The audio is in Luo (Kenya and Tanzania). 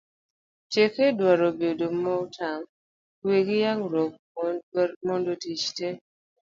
tieke dwaro bedo motang' ,kwe gi nyagruok mondo tich te